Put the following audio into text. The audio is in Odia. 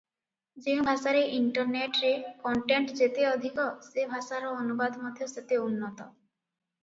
ଯେଉଁ ଭାଷାରେ ଇଣ୍ଟରନେଟରେ କଣ୍ଟେଣ୍ଟ ଯେତେ ଅଧିକ ସେ ଭାଷାର ଅନୁବାଦ ମଧ୍ୟ ସେତେ ଉନ୍ନତ ।